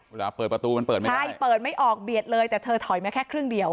เวลาเปิดประตูมันเปิดไม่ได้ใช่เปิดไม่ออกเบียดเลยแต่เธอถอยมาแค่ครึ่งเดียว